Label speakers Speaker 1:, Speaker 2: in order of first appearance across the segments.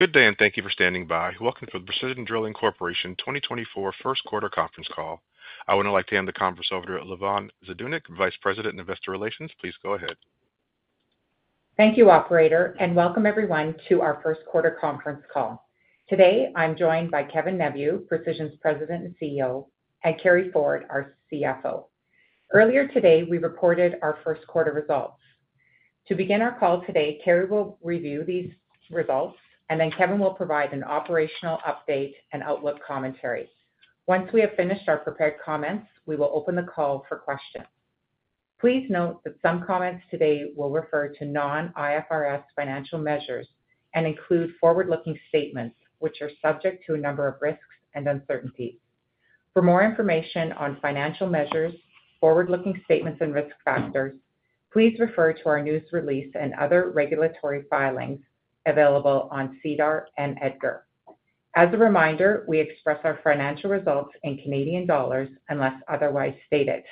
Speaker 1: Good day and thank you for standing by. Welcome to the Precision Drilling Corporation 2024 First Quarter Conference Call. I would now like to hand the conference over to Lavonne Zdunich, Vice President, Investor Relations. Please go ahead.
Speaker 2: Thank you, Operator, and welcome everyone to our first quarter conference call. Today I'm joined by Kevin Neveu, Precision's President and CEO, and Carey Ford, our CFO. Earlier today we reported our first quarter results. To begin our call today, Carey will review these results, and then Kevin will provide an operational update and outlook commentary. Once we have finished our prepared comments, we will open the call for questions. Please note that some comments today will refer to non-IFRS financial measures and include forward-looking statements, which are subject to a number of risks and uncertainties. For more information on financial measures, forward-looking statements, and risk factors, please refer to our news release and other regulatory filings available on SEDAR and EDGAR. As a reminder, we express our financial results in Canadian dollars unless otherwise stated.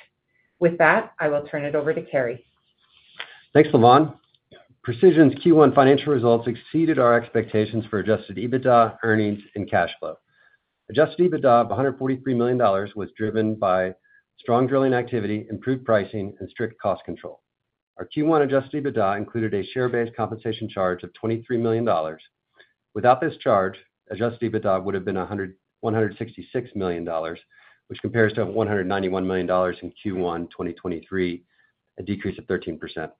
Speaker 2: With that, I will turn it over to Carey.
Speaker 3: Thanks, Lavonne. Precision's Q1 financial results exceeded our expectations for adjusted EBITDA, earnings, and cash flow. Adjusted EBITDA of $143 million was driven by strong drilling activity, improved pricing, and strict cost control. Our Q1 adjusted EBITDA included a share-based compensation charge of $23 million. Without this charge, adjusted EBITDA would have been $166 million, which compares to $191 million in Q1 2023, a decrease of 13%.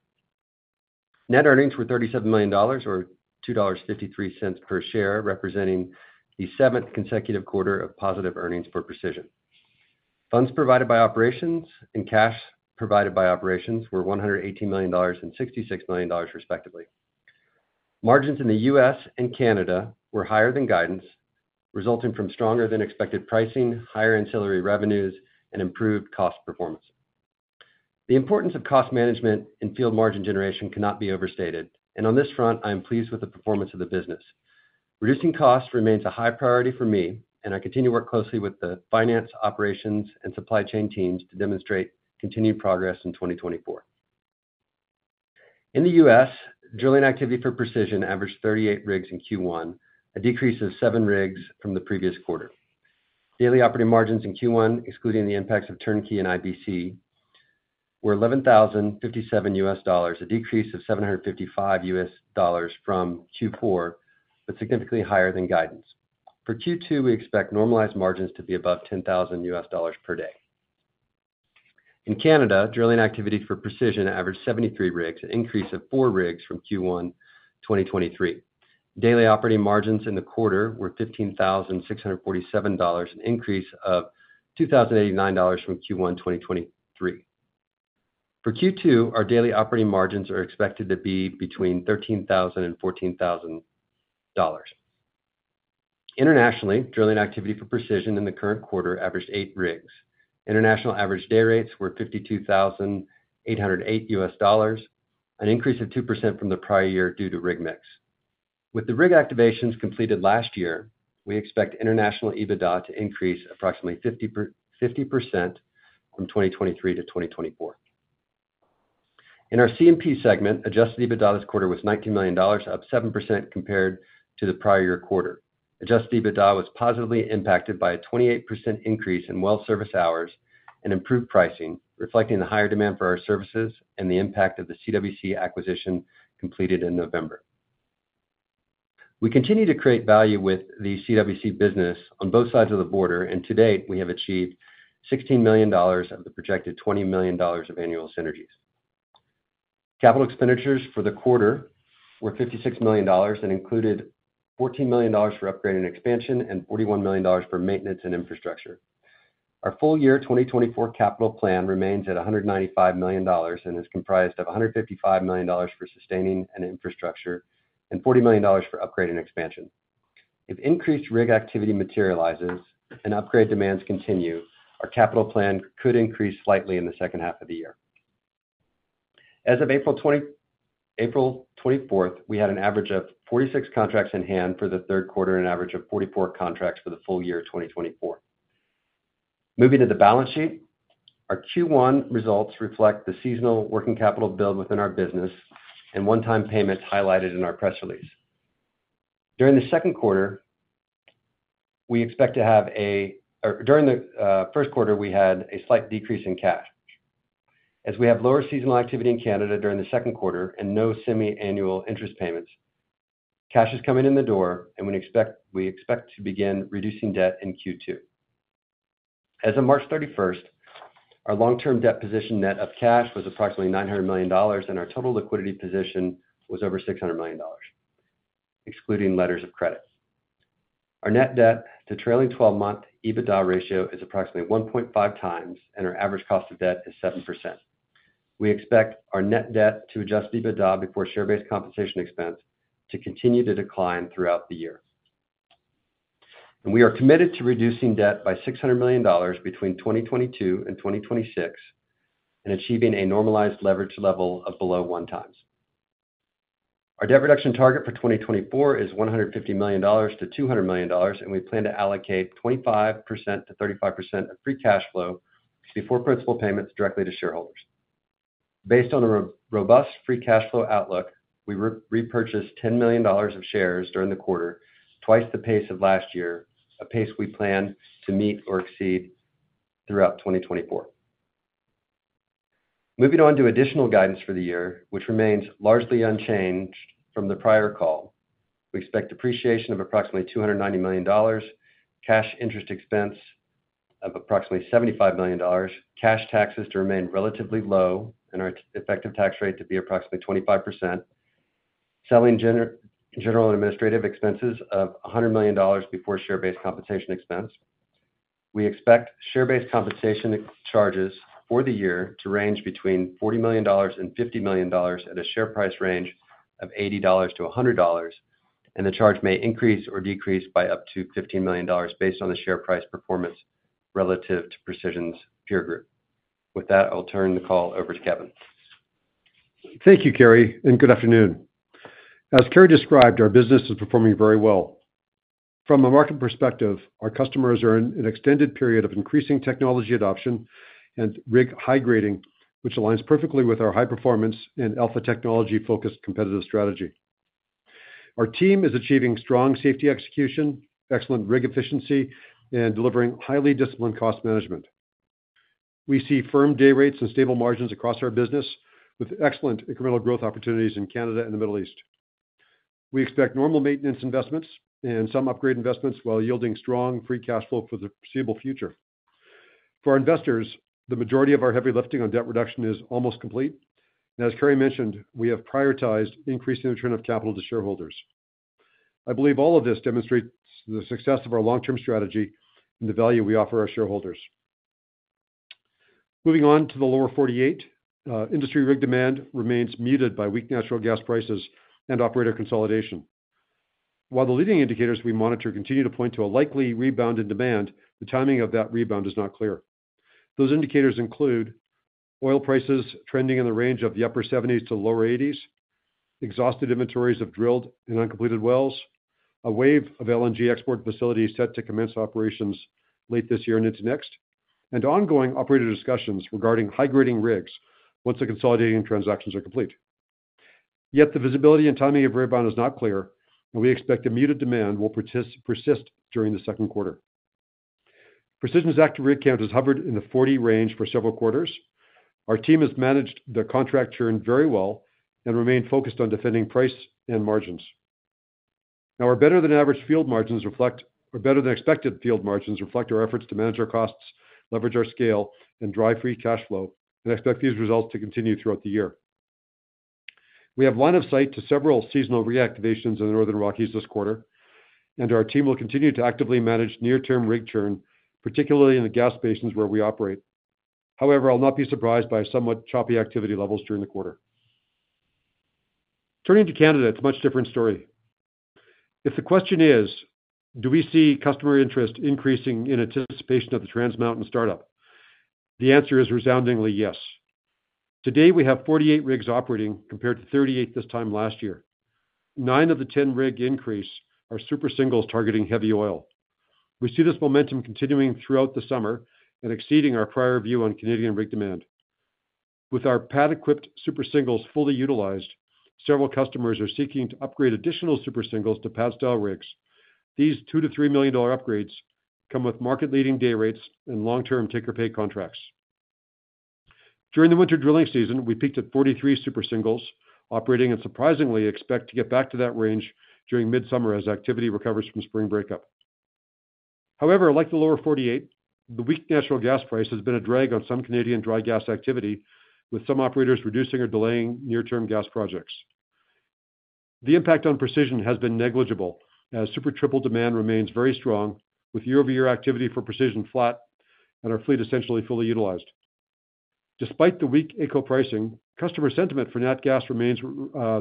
Speaker 3: Net earnings were $37 million or $2.53 per share, representing the seventh consecutive quarter of positive earnings for Precision. Funds provided by operations and cash provided by operations were $118 million and $66 million, respectively. Margins in the U.S. and Canada were higher than guidance, resulting from stronger-than-expected pricing, higher ancillary revenues, and improved cost performance. The importance of cost management and field margin generation cannot be overstated, and on this front I am pleased with the performance of the business. Reducing costs remains a high priority for me, and I continue to work closely with the finance, operations, and supply chain teams to demonstrate continued progress in 2024. In the U.S., drilling activity for Precision averaged 38 rigs in Q1, a decrease of seven rigs from the previous quarter. Daily operating margins in Q1, excluding the impacts of turnkey and IBC, were $11,057, a decrease of $755 from Q4, but significantly higher than guidance. For Q2, we expect normalized margins to be above $10,000 per day. In Canada, drilling activity for Precision averaged 73 rigs, an increase of four rigs from Q1 2023. Daily operating margins in the quarter were $15,647, an increase of $2,089 from Q1 2023. For Q2, our daily operating margins are expected to be between $13,000 and $14,000. Internationally, drilling activity for Precision in the current quarter averaged eight rigs. International average day rates were $52,808, an increase of 2% from the prior year due to rig mix. With the rig activations completed last year, we expect international EBITDA to increase approximately 50% from 2023 to 2024. In our C&P segment, adjusted EBITDA this quarter was $19 million, up 7% compared to the prior year quarter. Adjusted EBITDA was positively impacted by a 28% increase in well-service hours and improved pricing, reflecting the higher demand for our services and the impact of the CWC acquisition completed in November. We continue to create value with the CWC business on both sides of the border, and to date we have achieved $16 million of the projected $20 million of annual synergies. Capital expenditures for the quarter were $56 million and included $14 million for upgrade and expansion and $41 million for maintenance and infrastructure. Our full year 2024 capital plan remains at $195 million and is comprised of $155 million for sustaining and infrastructure and $40 million for upgrade and expansion. If increased rig activity materializes and upgrade demands continue, our capital plan could increase slightly in the second half of the year. As of April 24th, we had an average of 46 contracts in hand for the third quarter and an average of 44 contracts for the full year 2024. Moving to the balance sheet, our Q1 results reflect the seasonal working capital build within our business and one-time payments highlighted in our press release. During the second quarter, we expect to have a during the first quarter. We had a slight decrease in cash. As we have lower seasonal activity in Canada during the second quarter and no semi-annual interest payments, cash is coming in the door, and we expect to begin reducing debt in Q2. As of March 31st, our long-term debt position net of cash was approximately $900 million, and our total liquidity position was over $600 million, excluding letters of credit. Our net debt to trailing 12-month EBITDA ratio is approximately 1.5 times, and our average cost of debt is 7%. We expect our net debt to adjusted EBITDA before share-based compensation expense to continue to decline throughout the year. We are committed to reducing debt by $600 million between 2022 and 2026 and achieving a normalized leverage level of below one times. Our debt reduction target for 2024 is $150 million-$200 million, and we plan to allocate 25%-35% of free cash flow before principal payments directly to shareholders. Based on a robust free cash flow outlook, we repurchased $10 million of shares during the quarter, twice the pace of last year, a pace we plan to meet or exceed throughout 2024. Moving on to additional guidance for the year, which remains largely unchanged from the prior call, we expect depreciation of approximately $290 million, cash interest expense of approximately $75 million, cash taxes to remain relatively low, and our effective tax rate to be approximately 25%, selling, general, and administrative expenses of $100 million before share-based compensation expense. We expect share-based compensation charges for the year to range between $40 million and $50 million at a share price range of $80-$100, and the charge may increase or decrease by up to $15 million based on the share price performance relative to Precision's peer group. With that, I'll turn the call over to Kevin.
Speaker 4: Thank you, Carey, and good afternoon. As Carey described, our business is performing very well. From a market perspective, our customers are in an extended period of increasing technology adoption and rig high grading, which aligns perfectly with our high performance and alpha technology-focused competitive strategy. Our team is achieving strong safety execution, excellent rig efficiency, and delivering highly disciplined cost management. We see firm day rates and stable margins across our business with excellent incremental growth opportunities in Canada and the Middle East. We expect normal maintenance investments and some upgrade investments while yielding strong free cash flow for the foreseeable future. For our investors, the majority of our heavy lifting on debt reduction is almost complete, and as Carey mentioned, we have prioritized increasing the return of capital to shareholders. I believe all of this demonstrates the success of our long-term strategy and the value we offer our shareholders. Moving on to the lower 48, industry rig demand remains muted by weak natural gas prices and operator consolidation. While the leading indicators we monitor continue to point to a likely rebound in demand, the timing of that rebound is not clear. Those indicators include oil prices trending in the range of the upper $70s to lower $80s, exhausted inventories of drilled and uncompleted wells, a wave of LNG export facilities set to commence operations late this year and into next, and ongoing operator discussions regarding high grading rigs once the consolidating transactions are complete. Yet the visibility and timing of rebound is not clear, and we expect a muted demand will persist during the second quarter. Precision's active rig count has hovered in the 40 range for several quarters. Our team has managed the contract churn very well and remained focused on defending price and margins. Now, our better-than-expected field margins reflect our efforts to manage our costs, leverage our scale, and drive free cash flow. We expect these results to continue throughout the year. We have line of sight to several seasonal reactivations in the Northern Rockies this quarter, and our team will continue to actively manage near-term rig churn, particularly in the gas basins where we operate. However, I'll not be surprised by somewhat choppy activity levels during the quarter. Turning to Canada, it's a much different story. If the question is, do we see customer interest increasing in anticipation of the Trans Mountain startup, the answer is resoundingly yes. Today we have 48 rigs operating compared to 38 this time last year. Nine of the 10 rig increase are Super Singles targeting heavy oil. We see this momentum continuing throughout the summer and exceeding our prior view on Canadian rig demand. With our pad-equipped Super Singles fully utilized, several customers are seeking to upgrade additional Super Singles to pad-style rigs. These $2-$3 million upgrades come with market-leading day rates and long-term take-or-pay contracts. During the winter drilling season, we peaked at 43 Super Singles operating and surprisingly expect to get back to that range during midsummer as activity recovers from spring breakup. However, like the lower 48, the weak natural gas price has been a drag on some Canadian dry gas activity, with some operators reducing or delaying near-term gas projects. The impact on Precision has been negligible as Super Triple demand remains very strong, with year-over-year activity for Precision flat and our fleet essentially fully utilized. Despite the weak AECO pricing, customer sentiment for nat gas remains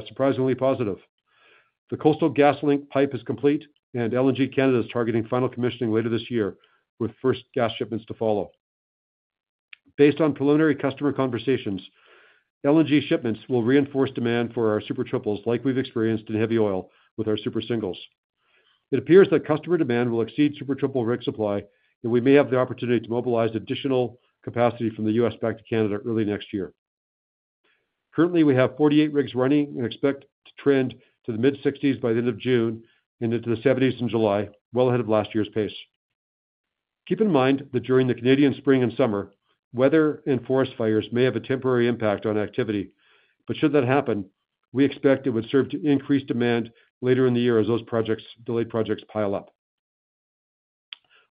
Speaker 4: surprisingly positive. The Coastal GasLink pipe is complete, and LNG Canada is targeting final commissioning later this year, with first gas shipments to follow. Based on preliminary customer conversations, LNG shipments will reinforce demand for our Super Triples like we've experienced in heavy oil with our Super Singles. It appears that customer demand will exceed Super Triple rig supply, and we may have the opportunity to mobilize additional capacity from the US back to Canada early next year. Currently, we have 48 rigs running and expect to trend to the mid-60s by the end of June and into the 70s in July, well ahead of last year's pace. Keep in mind that during the Canadian spring and summer, weather and forest fires may have a temporary impact on activity, but should that happen, we expect it would serve to increase demand later in the year as those projects delayed projects pile up.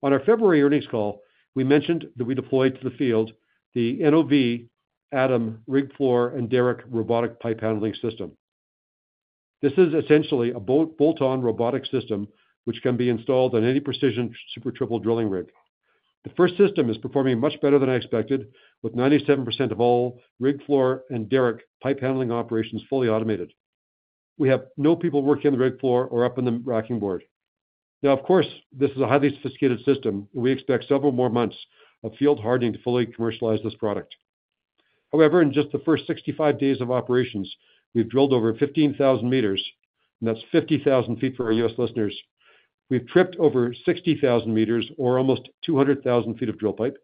Speaker 4: On our February earnings call, we mentioned that we deployed to the field the NOV Adam rig floor and derrick robotic pipe handling system. This is essentially a bolt-on robotic system which can be installed on any Precision Super Triple drilling rig. The first system is performing much better than I expected, with 97% of all rig floor and derrick pipe handling operations fully automated. We have no people working on the rig floor or up on the racking board. Now, of course, this is a highly sophisticated system, and we expect several more months of field hardening to fully commercialize this product. However, in just the first 65 days of operations, we've drilled over 15,000 m, and that's 50,000 ft for our U.S. listeners. We've tripped over 60,000 m or almost 200,000 ft of drill pipe.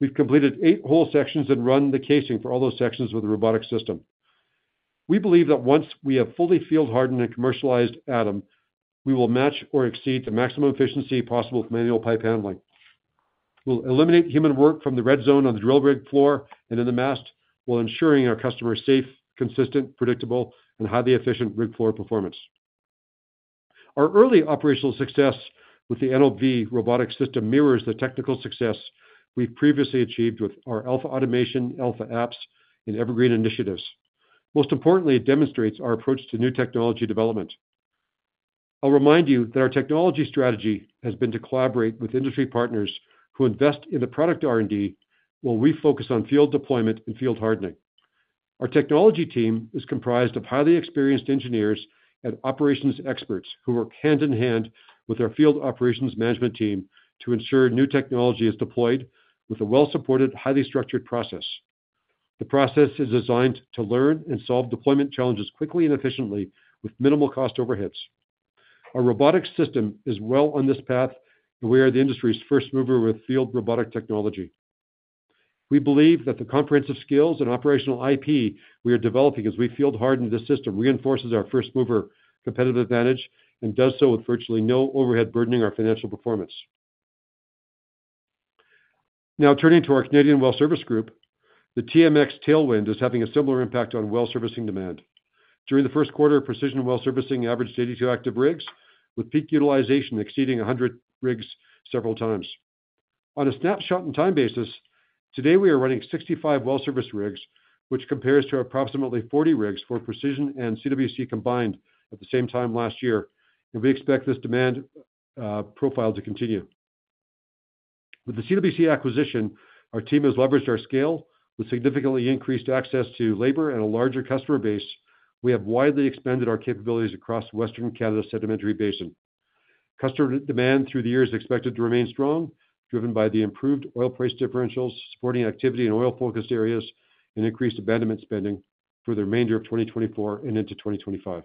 Speaker 4: We've completed eight whole sections and run the casing for all those sections with a robotic system. We believe that once we have fully field hardened and commercialized Adam, we will match or exceed the maximum efficiency possible with manual pipe handling. We'll eliminate human work from the red zone on the drill rig floor and in the mast while ensuring our customer's safe, consistent, predictable, and highly efficient rig floor performance. Our early operational success with the NOV robotic system mirrors the technical success we've previously achieved with our Alpha Automation, Alpha Apps, and EverGreen initiatives. Most importantly, it demonstrates our approach to new technology development. I'll remind you that our technology strategy has been to collaborate with industry partners who invest in the product R&D while we focus on field deployment and field hardening. Our technology team is comprised of highly experienced engineers and operations experts who work hand in hand with our field operations management team to ensure new technology is deployed with a well-supported, highly structured process. The process is designed to learn and solve deployment challenges quickly and efficiently with minimal cost overheads. Our robotic system is well on this path, and we are the industry's first mover with field robotic technology. We believe that the comprehensive skills and operational IP we are developing as we field harden this system reinforces our first mover competitive advantage and does so with virtually no overhead burdening our financial performance. Now, turning to our Canadian well service group, the TMX Tailwind is having a similar impact on well servicing demand. During the first quarter, Precision well servicing averaged 82 active rigs, with peak utilization exceeding 100 rigs several times. On a snapshot and time basis, today we are running 65 well service rigs, which compares to approximately 40 rigs for Precision and CWC combined at the same time last year, and we expect this demand profile to continue. With the CWC acquisition, our team has leveraged our scale with significantly increased access to labor and a larger customer base. We have widely expanded our capabilities across Western Canada's sedimentary basin. Customer demand through the years is expected to remain strong, driven by the improved oil price differentials, supporting activity in oil-focused areas, and increased abandonment spending for the remainder of 2024 and into 2025.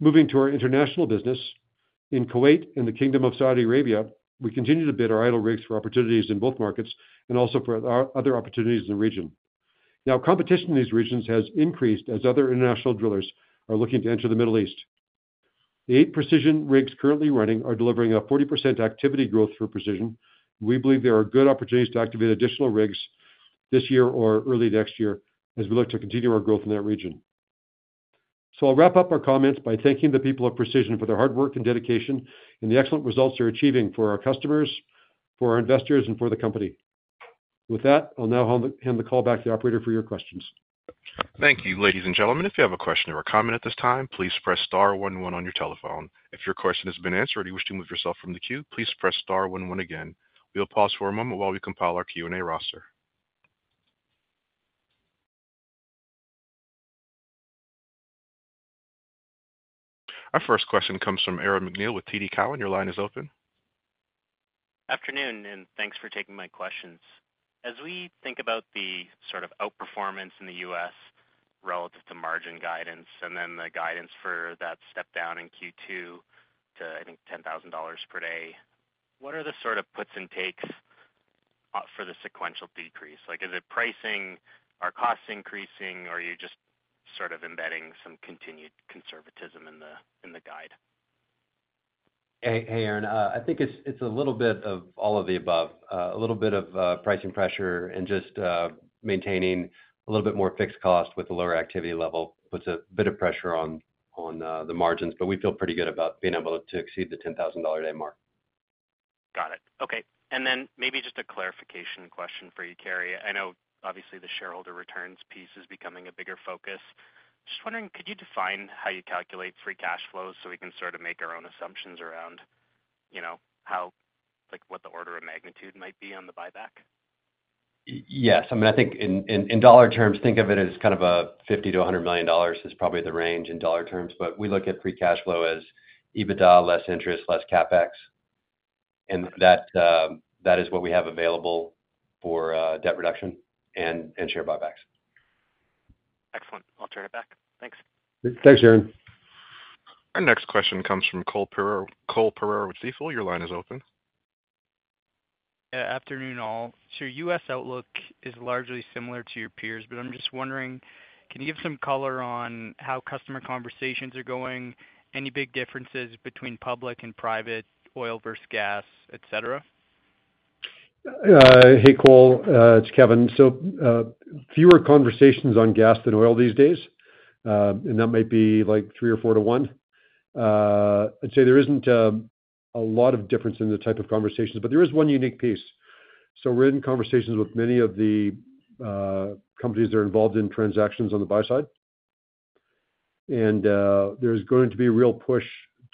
Speaker 4: Moving to our international business, in Kuwait and the Kingdom of Saudi Arabia, we continue to bid our idle rigs for opportunities in both markets and also for other opportunities in the region. Now, competition in these regions has increased as other international drillers are looking to enter the Middle East. The eight Precision rigs currently running are delivering a 40% activity growth for Precision. We believe there are good opportunities to activate additional rigs this year or early next year as we look to continue our growth in that region. So I'll wrap up our comments by thanking the people of Precision for their hard work and dedication and the excellent results they're achieving for our customers, for our investors, and for the company. With that, I'll now hand the call back to the operator for your questions.
Speaker 1: Thank you. Ladies and gentlemen, if you have a question or a comment at this time, please press star one one on your telephone. If your question has been answered or you wish to move yourself from the queue, please press star one one again. We'll pause for a moment while we compile our Q&A roster. Our first question comes from Aaron MacNeil with TD Cowen. Your line is open.
Speaker 5: Afternoon, and thanks for taking my questions. As we think about the sort of outperformance in the US relative to margin guidance and then the guidance for that step down in Q2 to, I think, $10,000 per day, what are the sort of puts and takes for the sequential decrease? Is it pricing? Are costs increasing? Are you just sort of embedding some continued conservatism in the guide?
Speaker 3: Hey, Aaron. I think it's a little bit of all of the above. A little bit of pricing pressure and just maintaining a little bit more fixed cost with a lower activity level puts a bit of pressure on the margins, but we feel pretty good about being able to exceed the $10,000 day mark.
Speaker 5: Got it. Okay. And then maybe just a clarification question for you, Carey. I know, obviously, the shareholder returns piece is becoming a bigger focus. Just wondering, could you define how you calculate free cash flows so we can sort of make our own assumptions around what the order of magnitude might be on the buyback?
Speaker 3: Yes. I mean, I think in dollar terms, think of it as kind of a $50 million-$100 million is probably the range in dollar terms, but we look at free cash flow as EBITDA, less interest, less CapEx. That is what we have available for debt reduction and share buybacks.
Speaker 5: Excellent. I'll turn it back. Thanks.
Speaker 3: Thanks, Aaron.
Speaker 1: Our next question comes from Cole Pereira with Stifel. Your line is open.
Speaker 6: Yeah. Afternoon, all. So your U.S. outlook is largely similar to your peers, but I'm just wondering, can you give some color on how customer conversations are going? Any big differences between public and private, oil versus gas, etc.?
Speaker 4: Hey, Cole. It's Kevin. So fewer conversations on gas than oil these days, and that might be like three or four to one. I'd say there isn't a lot of difference in the type of conversations, but there is one unique piece. So we're in conversations with many of the companies that are involved in transactions on the buy side. And there's going to be a real push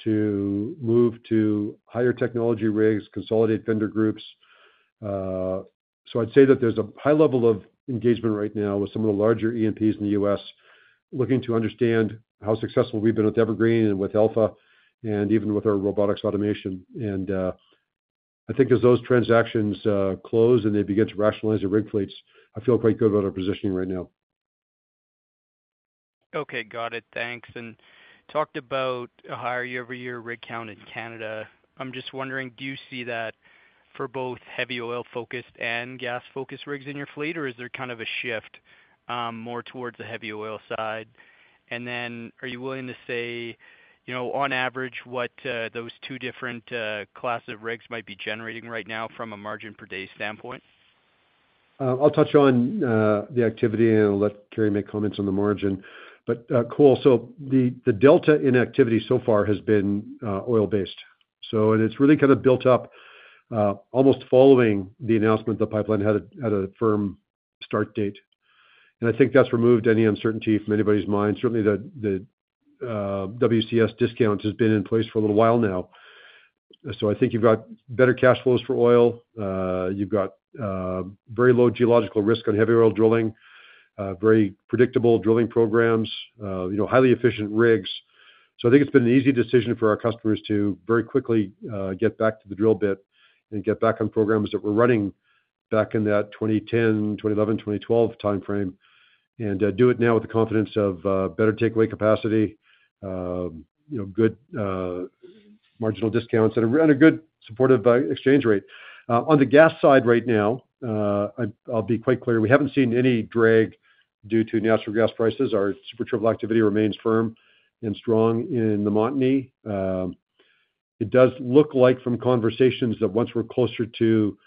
Speaker 4: to move to higher technology rigs, consolidate vendor groups. So I'd say that there's a high level of engagement right now with some of the larger E&Ps in the U.S. looking to understand how successful we've been with EverGreen and with Alpha and even with our robotics automation. And I think as those transactions close and they begin to rationalize their rig fleets, I feel quite good about our positioning right now.
Speaker 6: Okay. Got it. Thanks. Talked about a higher year-over-year rig count in Canada. I'm just wondering, do you see that for both heavy oil-focused and gas-focused rigs in your fleet, or is there kind of a shift more towards the heavy oil side? And then are you willing to say, on average, what those two different classes of rigs might be generating right now from a margin per day standpoint?
Speaker 4: I'll touch on the activity, and I'll let Carey make comments on the margin. Cole, so the delta in activity so far has been oil-based. It's really kind of built up almost following the announcement the pipeline had a firm start date. I think that's removed any uncertainty from anybody's mind. Certainly, the WCS discount has been in place for a little while now. I think you've got better cash flows for oil. You've got very low geological risk on heavy oil drilling, very predictable drilling programs, highly efficient rigs. I think it's been an easy decision for our customers to very quickly get back to the drill bit and get back on programs that were running back in that 2010, 2011, 2012 timeframe and do it now with the confidence of better takeaway capacity, good marginal discounts, and a good supportive exchange rate. On the gas side right now, I'll be quite clear. We haven't seen any drag due to natural gas prices. Our Super Triple activity remains firm and strong in the Montney. It does look like from conversations that once we're closer to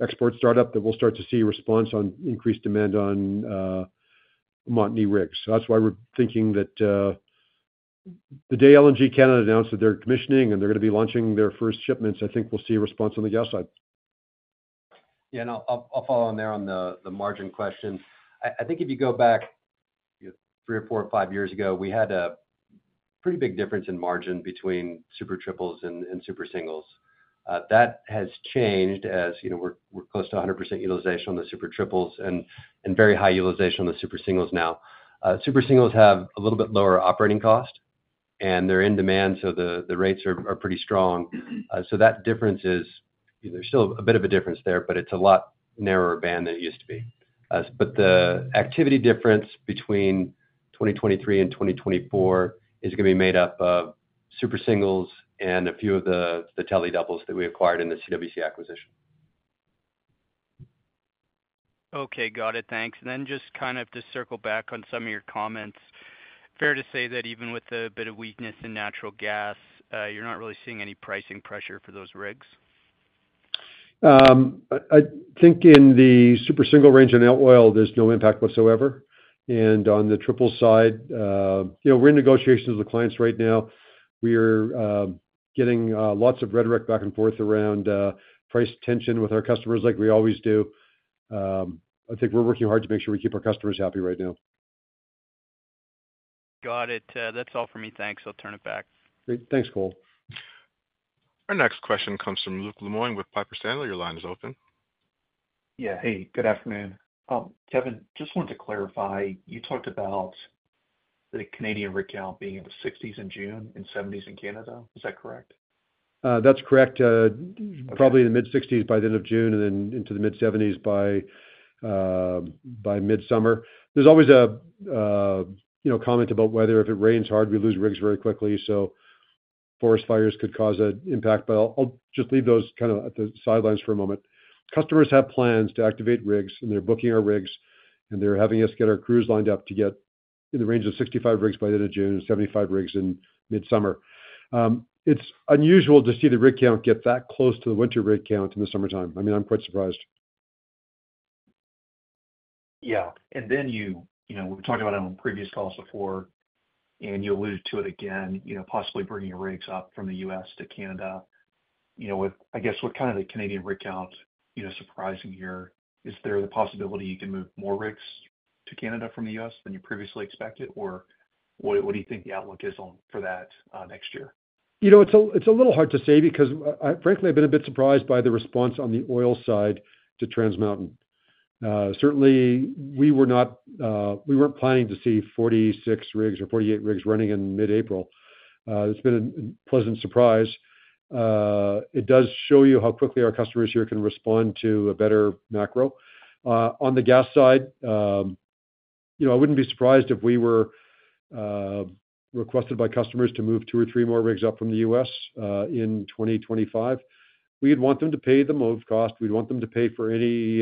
Speaker 4: export startup, that we'll start to see response on increased demand on Montney rigs. So that's why we're thinking that the day LNG Canada announced that they're commissioning and they're going to be launching their first shipments, I think we'll see response on the gas side.
Speaker 3: Yeah. I'll follow on there on the margin question. I think if you go back three or four or five years ago, we had a pretty big difference in margin between Super Triples and Super Singles. That has changed as we're close to 100% utilization on the Super Triples and very high utilization on the Super Singles now. Super Singles have a little bit lower operating cost, and they're in demand, so the rates are pretty strong. So that difference is there's still a bit of a difference there, but it's a lot narrower band than it used to be. The activity difference between 2023 and 2024 is going to be made up of Super Singles and a few of the Tele Doubles that we acquired in the CWC acquisition.
Speaker 6: Okay. Got it. Thanks. And then just kind of to circle back on some of your comments, fair to say that even with a bit of weakness in natural gas, you're not really seeing any pricing pressure for those rigs?
Speaker 4: I think in the Super Single range and Elk oil, there's no impact whatsoever. On the triple side, we're in negotiations with clients right now. We are getting lots of rhetoric back and forth around price tension with our customers, like we always do. I think we're working hard to make sure we keep our customers happy right now.
Speaker 6: Got it. That's all for me. Thanks. I'll turn it back.
Speaker 4: Great. Thanks, Cole.
Speaker 1: Our next question comes from Luke Lemoine with Piper Sandler. Your line is open.
Speaker 7: Yeah. Hey, good afternoon. Kevin, just wanted to clarify. You talked about the Canadian rig count being in the 60s in June and 70s in Canada. Is that correct?
Speaker 4: That's correct. Probably in the mid-60s by the end of June and then into the mid-70s by midsummer. There's always a comment about whether if it rains hard, we lose rigs very quickly. So forest fires could cause an impact. But I'll just leave those kind of at the sidelines for a moment. Customers have plans to activate rigs, and they're booking our rigs, and they're having us get our crews lined up to get in the range of 65 rigs by the end of June, 75 rigs in midsummer. It's unusual to see the rig count get that close to the winter rig count in the summertime. I mean, I'm quite surprised.
Speaker 7: Yeah. And then we've talked about it on previous calls before, and you alluded to it again, possibly bringing your rigs up from the U.S. to Canada. I guess what kind of the Canadian rig count is surprising here? Is there the possibility you can move more rigs to Canada from the U.S. than you previously expected, or what do you think the outlook is for that next year?
Speaker 4: It's a little hard to say because, frankly, I've been a bit surprised by the response on the oil side to Trans Mountain. Certainly, we weren't planning to see 46 rigs or 48 rigs running in mid-April. It's been a pleasant surprise. It does show you how quickly our customers here can respond to a better macro. On the gas side, I wouldn't be surprised if we were requested by customers to move two or three more rigs up from the U.S. in 2025. We would want them to pay the move cost. We'd want them to pay for any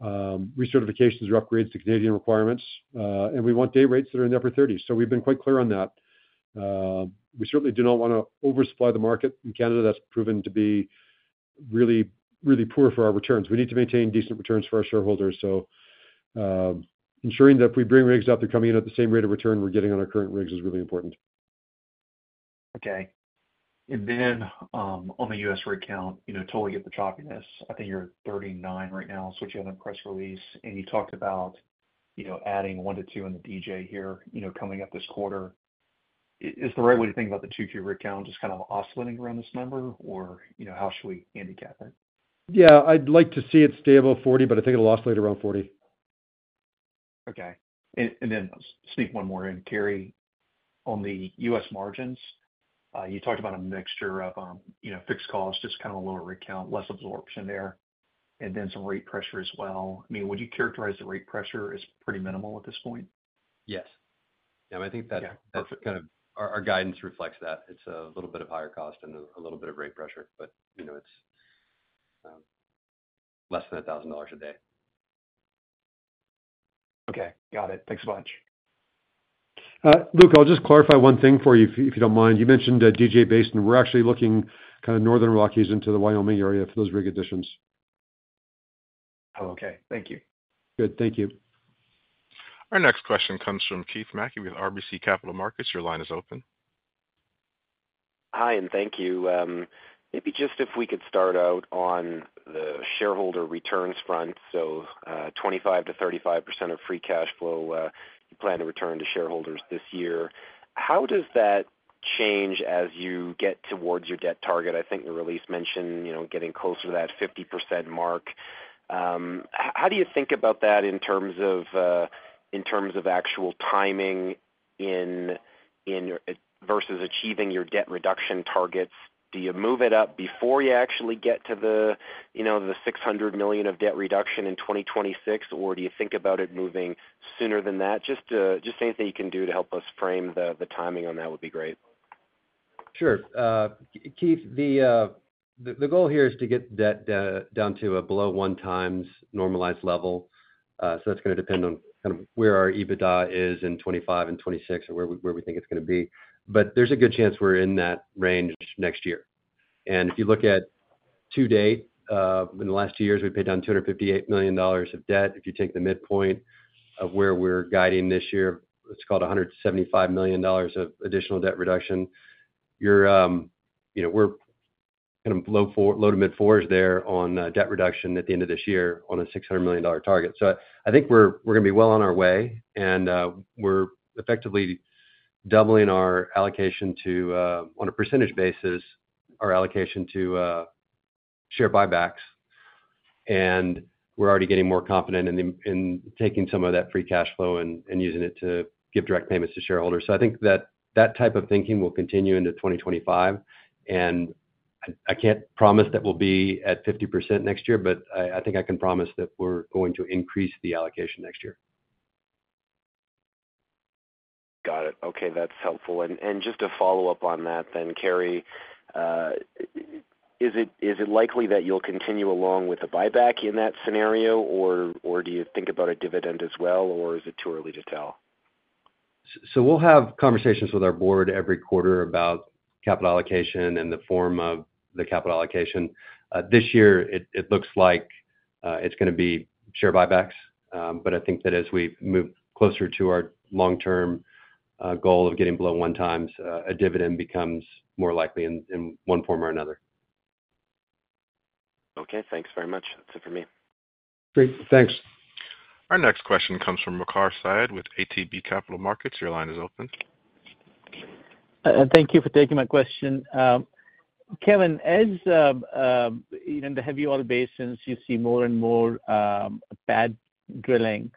Speaker 4: recertifications or upgrades to Canadian requirements. And we want day rates that are in the upper 30s. So we've been quite clear on that. We certainly do not want to oversupply the market in Canada. That's proven to be really, really poor for our returns. We need to maintain decent returns for our shareholders. So ensuring that if we bring rigs up, they're coming in at the same rate of return we're getting on our current rigs is really important.
Speaker 7: Okay. And then on the U.S. rig count, totally get the choppiness. I think you're at 39 right now, so what you have in press release. And you talked about adding one to two in the DJ here coming up this quarter. Is the right way to think about the two to three rig count just kind of oscillating around this number, or how should we handicap it?
Speaker 4: Yeah. I'd like to see it stable at 40, but I think it'll oscillate around 40.
Speaker 7: Okay. And then sneak one more in, Carey. On the U.S. margins, you talked about a mixture of fixed costs, just kind of a lower rig count, less absorption there, and then some rate pressure as well. I mean, would you characterize the rate pressure as pretty minimal at this point?
Speaker 3: Yes. Yeah. I mean, I think that kind of our guidance reflects that. It's a little bit of higher cost and a little bit of rate pressure, but it's less than $1,000 a day.
Speaker 7: Okay. Got it. Thanks a bunch.
Speaker 4: Luke, I'll just clarify one thing for you, if you don't mind. You mentioned DJ-based, and we're actually looking kind of Northern Rockies into the Wyoming area for those rig additions.
Speaker 7: Oh, okay. Thank you.
Speaker 4: Good. Thank you.
Speaker 1: Our next question comes from Keith Mackey with RBC Capital Markets. Your line is open.
Speaker 8: Hi, and thank you. Maybe just if we could start out on the shareholder returns front. So 25%-35% of free cash flow you plan to return to shareholders this year. How does that change as you get towards your debt target? I think your release mentioned getting closer to that 50% mark. How do you think about that in terms of actual timing versus achieving your debt reduction targets? Do you move it up before you actually get to the $600 million of debt reduction in 2026, or do you think about it moving sooner than that? Just anything you can do to help us frame the timing on that would be great.
Speaker 3: Sure. Keith, the goal here is to get debt down to below 1x normalized level. So that's going to depend on kind of where our EBITDA is in 2025 and 2026 or where we think it's going to be. But there's a good chance we're in that range next year. And if you look at to date, in the last two years, we paid down $258 million of debt. If you take the midpoint of where we're guiding this year, it's called $175 million of additional debt reduction. We're kind of low to mid-fours there on debt reduction at the end of this year on a $600 million target. So I think we're going to be well on our way, and we're effectively doubling our allocation to, on a percentage basis, our allocation to share buybacks. We're already getting more confident in taking some of that free cash flow and using it to give direct payments to shareholders. I think that type of thinking will continue into 2025. I can't promise that we'll be at 50% next year, but I think I can promise that we're going to increase the allocation next year.
Speaker 8: Got it. Okay. That's helpful. And just to follow up on that then, Carey, is it likely that you'll continue along with a buyback in that scenario, or do you think about a dividend as well, or is it too early to tell?
Speaker 3: We'll have conversations with our board every quarter about capital allocation and the form of the capital allocation. This year, it looks like it's going to be share buybacks. I think that as we move closer to our long-term goal of getting below 1x, a dividend becomes more likely in one form or another.
Speaker 8: Okay. Thanks very much. That's it for me.
Speaker 3: Great. Thanks.
Speaker 1: Our next question comes from Waqar Syed with ATB Capital Markets. Your line is open.
Speaker 9: Thank you for taking my question. Kevin, in the heavy oil basins, you see more and more pad drilling.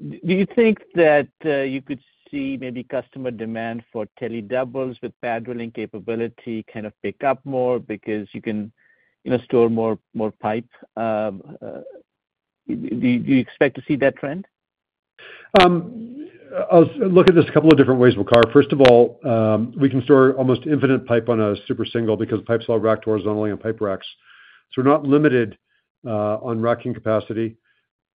Speaker 9: Do you think that you could see maybe customer demand for Tele Doubles with pad drilling capability kind of pick up more because you can store more pipe? Do you expect to see that trend?
Speaker 4: I'll look at this a couple of different ways, Waqar. First of all, we can store almost infinite pipe on a Super Single because pipes all rack horizontally on pipe racks. So we're not limited on racking capacity.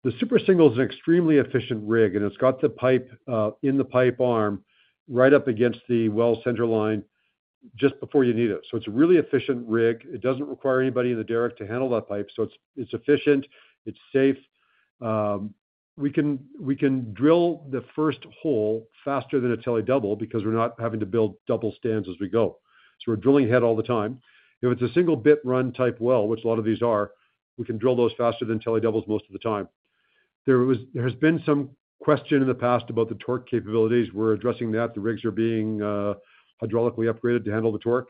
Speaker 4: The Super Single is an extremely efficient rig, and it's got the pipe in the pipe arm right up against the well center line just before you need it. So it's a really efficient rig. It doesn't require anybody in the derrick to handle that pipe. So it's efficient. It's safe. We can drill the first hole faster than a Tele Double because we're not having to build double stands as we go. So we're drilling ahead all the time. If it's a single bit run type well, which a lot of these are, we can drill those faster than Tele Doubles most of the time. There has been some question in the past about the torque capabilities. We're addressing that. The rigs are being hydraulically upgraded to handle the torque.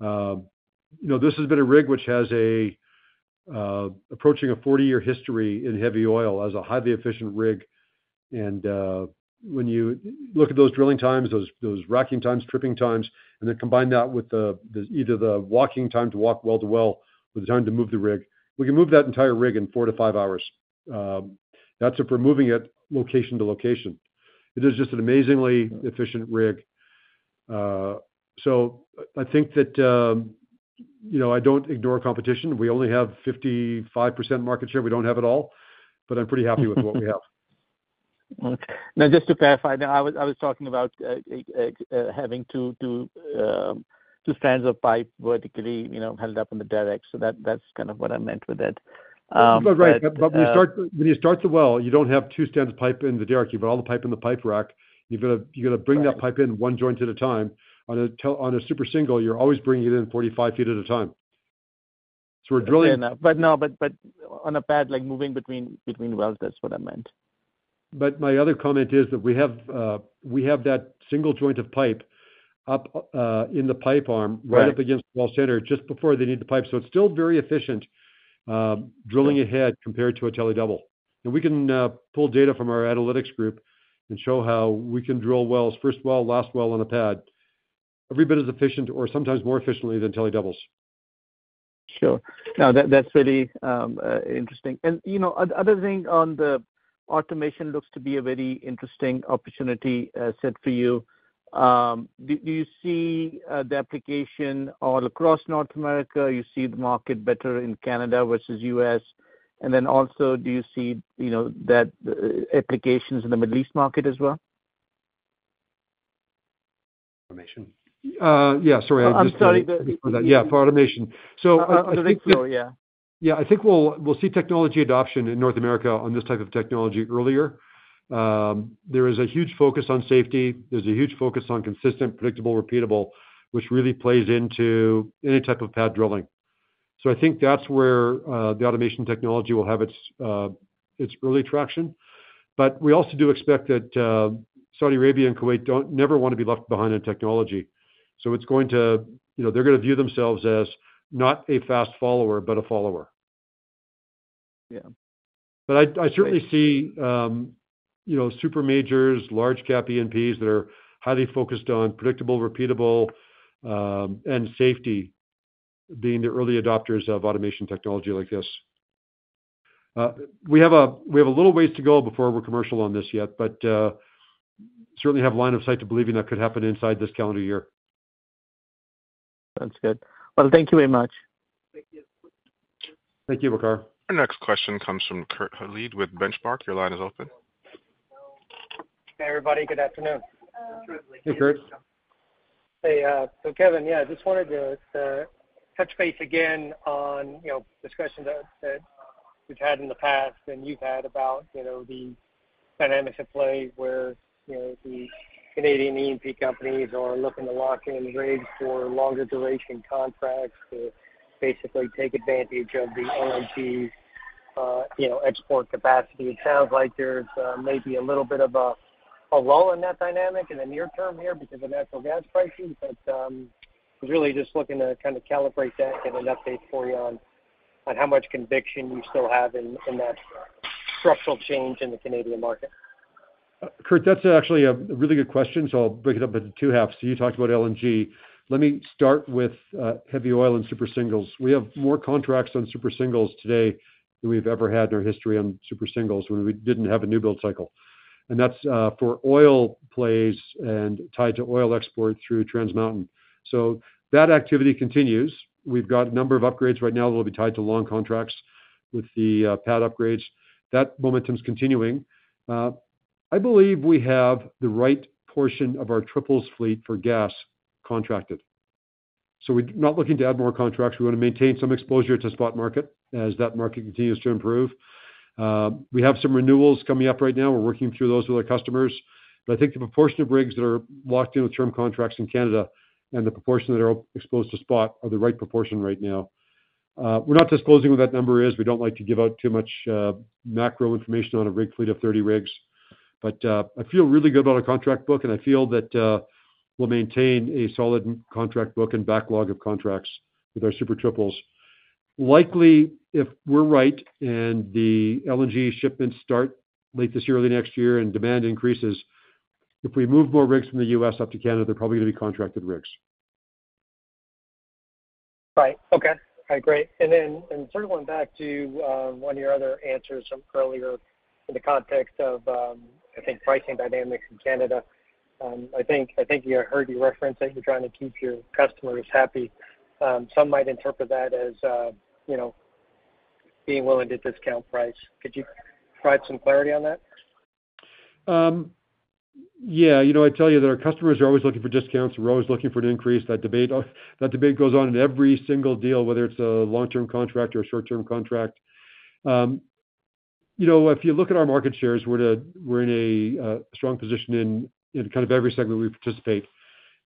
Speaker 4: This has been a rig which has approaching a 40-year history in heavy oil as a highly efficient rig. And when you look at those drilling times, those racking times, tripping times, and then combine that with either the walking time to walk well to well with the time to move the rig, we can move that entire rig in four to five hours. That's if we're moving it location to location. It is just an amazingly efficient rig. So I think that I don't ignore competition. We only have 55% market share. We don't have it all, but I'm pretty happy with what we have.
Speaker 9: Now, just to clarify, I was talking about having two stands of pipe vertically held up in the derrick. That's kind of what I meant with that.
Speaker 4: But, right. When you start the well, you don't have two stands of pipe in the derrick. You've got all the pipe in the pipe rack. You've got to bring that pipe in one joint at a time. On a Super Single, you're always bringing it in 45 ft at a time. So we're drilling.
Speaker 9: But no, but on a pad, moving between wells, that's what I meant.
Speaker 4: But my other comment is that we have that single joint of pipe up in the pipe arm right up against the well center just before they need the pipe. So it's still very efficient drilling ahead compared to a Tele Double. And we can pull data from our analytics group and show how we can drill wells, first well, last well on a pad. Every bit is efficient or sometimes more efficiently than Tele Doubles.
Speaker 9: Sure. No, that's really interesting. And the other thing on the automation looks to be a very interesting opportunity set for you. Do you see the application all across North America? Do you see the market better in Canada versus U.S.? And then also, do you see that applications in the Middle East market as well?
Speaker 3: Automation.
Speaker 4: Yeah. Sorry. I just.
Speaker 3: I'm sorry.
Speaker 4: Yeah. For automation. So I think.
Speaker 3: I think so. Yeah.
Speaker 4: Yeah. I think we'll see technology adoption in North America on this type of technology earlier. There is a huge focus on safety. There's a huge focus on consistent, predictable, repeatable, which really plays into any type of pad drilling. So I think that's where the automation technology will have its early traction. But we also do expect that Saudi Arabia and Kuwait never want to be left behind in technology. So they're going to view themselves as not a fast follower, but a follower. But I certainly see super majors, large-cap ENPs that are highly focused on predictable, repeatable, and safety being the early adopters of automation technology like this. We have a little ways to go before we're commercial on this yet, but certainly have line of sight to believe that could happen inside this calendar year.
Speaker 9: Sounds good. Well, thank you very much.
Speaker 4: Thank you. Thank you, Makar.
Speaker 1: Our next question comes from Kurt Hallead with Benchmark. Your line is open.
Speaker 10: Hey, everybody. Good afternoon.
Speaker 4: Hey, Kurt.
Speaker 10: Hey. So Kevin, yeah, I just wanted to touch base again on discussions that we've had in the past and you've had about the dynamics at play where the Canadian ENP companies are looking to lock in rigs for longer-duration contracts to basically take advantage of the ONG export capacity. It sounds like there's maybe a little bit of a lull in that dynamic in the near term here because of natural gas prices. But I was really just looking to kind of calibrate that and get an update for you on how much conviction you still have in that structural change in the Canadian market.
Speaker 4: Kurt, that's actually a really good question. So I'll break it up into two halves. So you talked about LNG. Let me start with heavy oil and Super Series. We have more contracts on Super Series today than we've ever had in our history on Super Series when we didn't have a new build cycle. And that's for oil plays and tied to oil export through Trans Mountain. So that activity continues. We've got a number of upgrades right now that will be tied to long contracts with the pad upgrades. That momentum's continuing. I believe we have the right portion of our triples fleet for gas contracted. So we're not looking to add more contracts. We want to maintain some exposure to spot market as that market continues to improve. We have some renewals coming up right now. We're working through those with our customers. But I think the proportion of rigs that are locked in with term contracts in Canada and the proportion that are exposed to spot are the right proportion right now. We're not disclosing what that number is. We don't like to give out too much macro information on a rig fleet of 30 rigs. But I feel really good about our contract book, and I feel that we'll maintain a solid contract book and backlog of contracts with our Super Triples. Likely, if we're right and the LNG shipments start late this year, early next year, and demand increases, if we move more rigs from the U.S. up to Canada, they're probably going to be contracted rigs.
Speaker 10: Right. Okay. All right. Great. And then circling back to one of your other answers from earlier in the context of, I think, pricing dynamics in Canada, I think I heard you reference that you're trying to keep your customers happy. Some might interpret that as being willing to discount price. Could you provide some clarity on that?
Speaker 4: Yeah. I tell you that our customers are always looking for discounts. We're always looking for an increase. That debate goes on in every single deal, whether it's a long-term contract or a short-term contract. If you look at our market shares, we're in a strong position in kind of every segment we participate.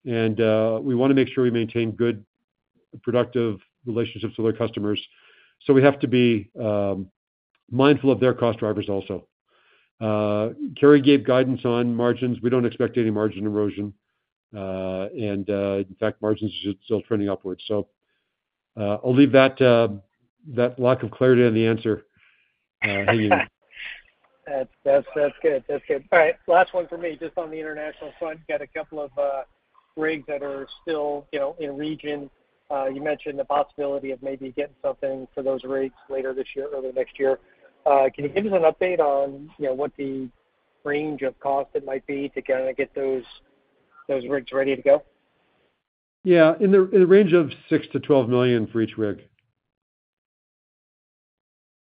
Speaker 4: And we want to make sure we maintain good, productive relationships with our customers. So we have to be mindful of their cost drivers also. Carey gave guidance on margins. We don't expect any margin erosion. And in fact, margins are still trending upwards. So I'll leave that lack of clarity on the answer hanging.
Speaker 10: That's good. That's good. All right. Last one for me. Just on the international front, you've got a couple of rigs that are still in region. You mentioned the possibility of maybe getting something for those rigs later this year, early next year. Can you give us an update on what the range of cost it might be to kind of get those rigs ready to go?
Speaker 4: Yeah. In the range of $6-$12 million for each rig.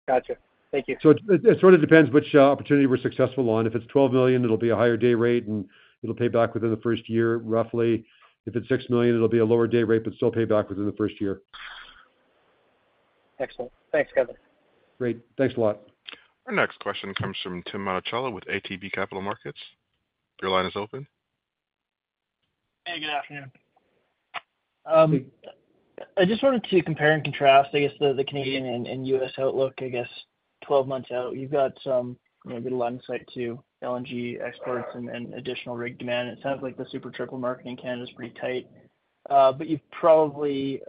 Speaker 10: Gotcha. Thank you.
Speaker 4: So it sort of depends which opportunity we're successful on. If it's $12 million, it'll be a higher day rate, and it'll pay back within the first year, roughly. If it's $6 million, it'll be a lower day rate but still pay back within the first year.
Speaker 10: Excellent. Thanks, Kevin.
Speaker 4: Great. Thanks a lot.
Speaker 1: Our next question comes from Tim Monachello with ATB Capital Markets. Your line is open.
Speaker 11: Hey. Good afternoon. I just wanted to compare and contrast, I guess, the Canadian and U.S. outlook, I guess, 12 months out. You've got some good line of sight to LNG exports and additional rig demand. It sounds like the Super Triple market in Canada is pretty tight. But you've probably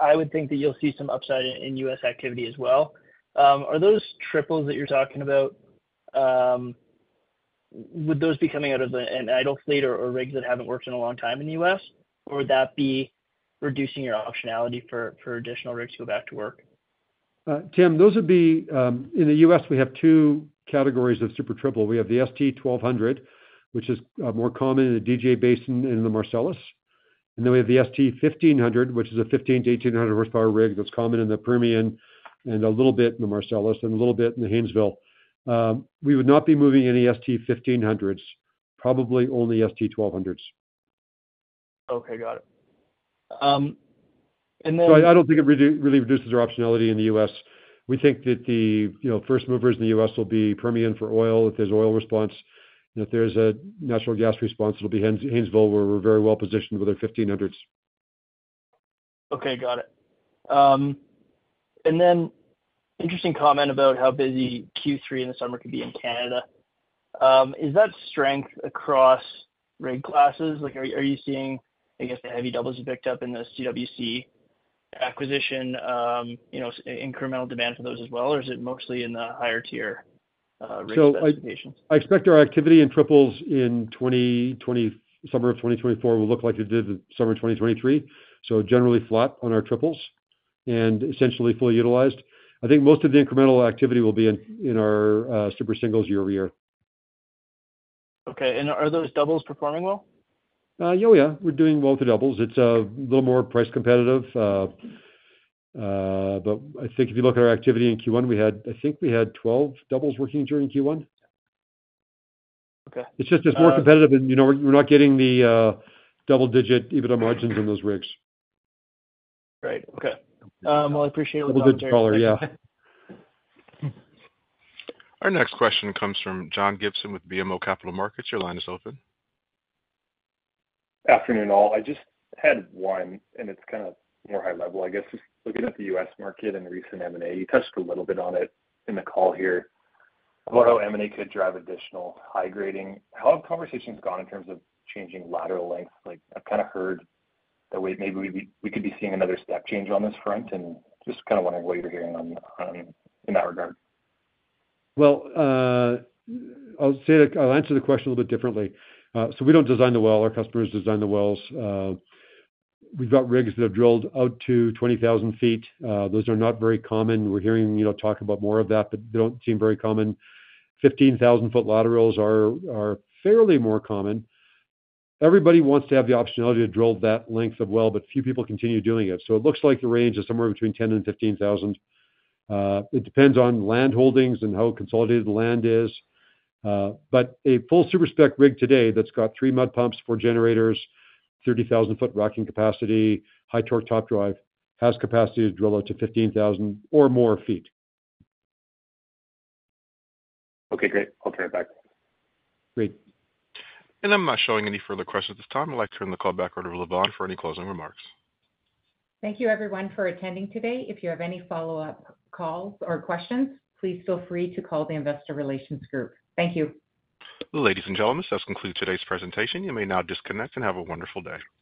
Speaker 11: I would think that you'll see some upside in US activity as well. Are those Triples that you're talking about, would those be coming out of an idle fleet or rigs that haven't worked in a long time in the U.S., or would that be reducing your optionality for additional rigs to go back to work?
Speaker 4: Tim, those would be in the U.S., we have two categories of Super Triple. We have the ST1200, which is more common in the DJ Basin and in the Marcellus. And then we have the ST1500, which is a 1,500-1,800 horsepower rig that's common in the Permian and a little bit in the Marcellus and a little bit in the Haynesville. We would not be moving any ST1500s, probably only ST1200s.
Speaker 11: Okay. Got it. And then.
Speaker 4: I don't think it really reduces our optionality in the U.S. We think that the first movers in the U.S. will be Permian for oil if there's oil response. If there's a natural gas response, it'll be Haynesville where we're very well positioned with our 1500s.
Speaker 11: Okay. Got it. And then interesting comment about how busy Q3 in the summer could be in Canada. Is that strength across rig classes? Are you seeing, I guess, the heavy doubles you picked up in the CWC acquisition, incremental demand for those as well, or is it mostly in the higher-tier rig classifications?
Speaker 4: So I expect our activity in triples in summer of 2024 will look like it did in summer 2023, so generally flat on our triples and essentially fully utilized. I think most of the incremental activity will be in our Super Singles year-over-year.
Speaker 11: Okay. Are those doubles performing well?
Speaker 4: Oh, yeah. We're doing well with the doubles. It's a little more price competitive. But I think if you look at our activity in Q1, I think we had 12 doubles working during Q1. It's just more competitive, and we're not getting the double-digit EBITDA margins in those rigs.
Speaker 11: Right. Okay. Well, I appreciate what you're saying.
Speaker 4: A little bit taller. Yeah.
Speaker 1: Our next question comes from John Gibson with BMO Capital Markets. Your line is open.
Speaker 12: Afternoon, all. I just had one, and it's kind of more high-level, I guess, just looking at the U.S. market and recent M&A. You touched a little bit on it in the call here about how M&A could drive additional high grading. How have conversations gone in terms of changing lateral lengths? I've kind of heard that maybe we could be seeing another step change on this front, and just kind of wondering what you're hearing in that regard.
Speaker 4: Well, I'll answer the question a little bit differently. We don't design the well. Our customers design the wells. We've got rigs that have drilled out to 20,000 ft. Those are not very common. We're hearing talk about more of that, but they don't seem very common. 15,000-foot laterals are fairly more common. Everybody wants to have the optionality to drill that length of well, but few people continue doing it. It looks like the range is somewhere between 10,000 and 15,000. It depends on land holdings and how consolidated the land is. A full super spec rig today that's got three mud pumps, four generators, 30,000-foot racking capacity, high-torque top drive, has capacity to drill out to 15,000 or more feet.
Speaker 12: Okay. Great. I'll turn it back.
Speaker 4: Great.
Speaker 1: I'm not showing any further questions at this time. I'd like to turn the call back over to Lavonne for any closing remarks.
Speaker 2: Thank you, everyone, for attending today. If you have any follow-up calls or questions, please feel free to call the investor relations group. Thank you.
Speaker 1: Ladies and gentlemen, this does conclude today's presentation. You may now disconnect and have a wonderful day.